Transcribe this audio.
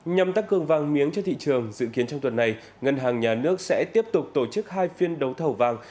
nhằm tăng cường vàng miếng cho thị trường dự kiến trong tuần này ngân hàng nhà nước sẽ tiếp tục tổ chức hai phiên đấu thầu vàng